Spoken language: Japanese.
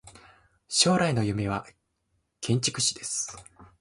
将来の夢は建築士です。